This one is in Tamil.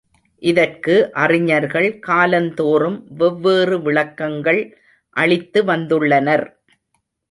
இதற்கு அறிஞர்கள் காலந்தோறும் வெவ்வேறு விளக்கங்கள் அளித்து வந்துள்ளனர்.